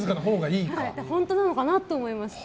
本当なのかなと思いまして。